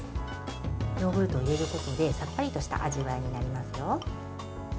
ヨーグルトを入れることでさっぱりとした味わいになりますよ。